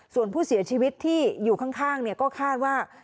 ส่วนผู้เสียชีวิตที่อยู่ข้างก็คาดว่า